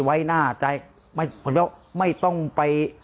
โปรดติดตามต่อไป